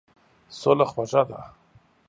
سوله خوږه ده.